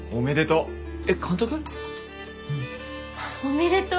うん。おめでとう！